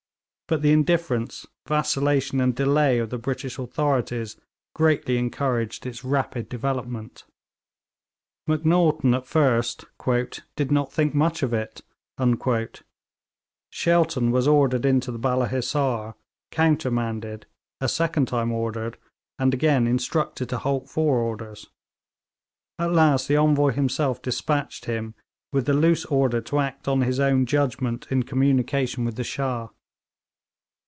But the indifference, vacillation and delay of the British authorities greatly encouraged its rapid development. Macnaghten at first 'did not think much of it.' Shelton was ordered into the Balla Hissar, countermanded, a second time ordered, and again instructed to halt for orders. At last the Envoy himself despatched him, with the loose order to act on his own judgment in communication with the Shah.